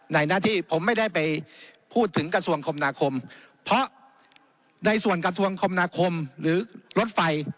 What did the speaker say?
หน้าที่ผมไม่ได้ไปพูดถึงกระทรวงคมนาคมเพราะในส่วนกระทรวงคมนาคมหรือรถไฟ